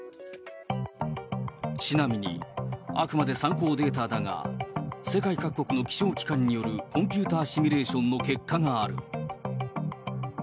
ちなみに、あくまで参考データだが、世界各国の気象機関によるコンピューターシミュレーションの結果がある。